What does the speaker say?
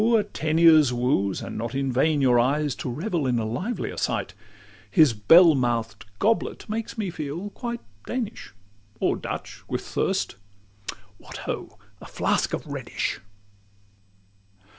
a Teniers woos, and not in vain, Your eyes to revel in a livelier sight: His bell mouth'd goblet makes me feel quite Danish Or Dutch with thirst What, ho! a flask of Rhenish.